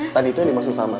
tadi itu yang dimaksud sama